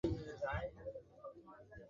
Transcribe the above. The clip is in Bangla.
তখন তোমার যত্ন কে করবে, এই পুরাতন মহলে?